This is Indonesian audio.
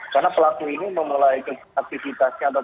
karena pelaku ini memiliki aktivitas yang sangat berharga